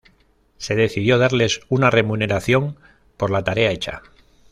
Se decidió darles una remuneración por la tarea hecha.